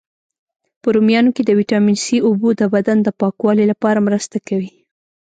په رومیانو کی د ویټامین C، اوبو د بدن د پاکوالي لپاره مرسته کوي.